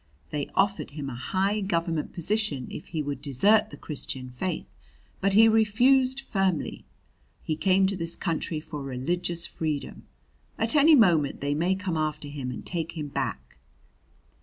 They offered him a high government position if he would desert the Christian faith; but he refused firmly. He came to this country for religious freedom; at any moment they may come after him and take him back."